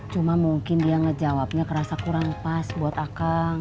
cuma mungkin dia ngejawabnya kerasa kurang pas buat akang